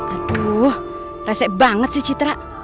aduh resep banget sih citra